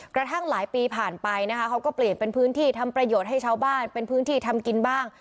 กระทั่งหลายปีผ่านไปนะคะเขาก็เปลี่ยนเป็นพื้นที่ทำประโยชน์ให้ชาวบ้านเป็นพื้นที่ทำกินบ้าง